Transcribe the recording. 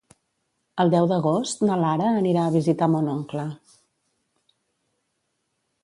El deu d'agost na Lara anirà a visitar mon oncle.